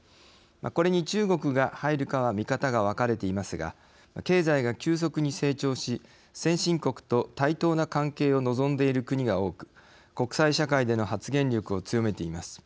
これに中国が入るかは見方が分かれていますが経済が急速に成長し先進国と対等な関係を望んでいる国が多く国際社会での発言力を強めています。